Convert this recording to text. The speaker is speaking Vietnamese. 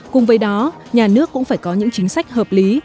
cùng với đó nhà nước cũng phải có những chính sách hợp lý